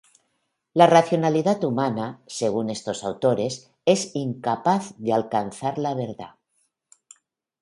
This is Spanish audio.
La racionalidad humana, según estos autores, es incapaz de alcanzar la verdad.